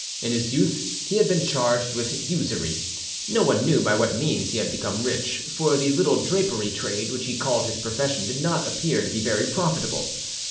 In his youth he had been charged with usury; no one knew by what means he had become rich, for the little drapery trade which he called his profession did not appear to be very profitable.